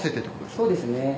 そうですね。